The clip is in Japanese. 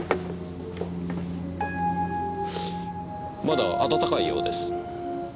まだ温かいようです。